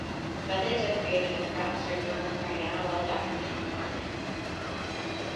Methods of creating a crop circle are now well documented on the Internet.